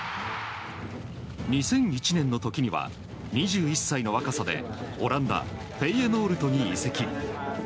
２００１年の時には２１歳の若さでオランダ・フェイエノールトに移籍。